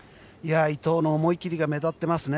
伊藤の思い切りが目立ってますね。